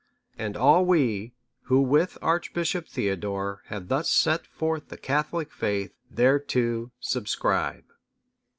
And all we, who, with Archbishop Theodore, have thus set forth the Catholic faith, thereto subscribe."